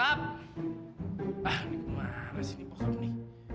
ah ini gimana sih bapak ini